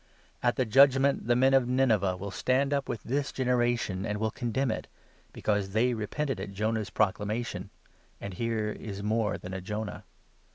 At the Judgement, the men of Nineveh will stand up with this 41 generation, and will condemn it, because they repented at Jonah's proclamation ; and here is more than a Jonah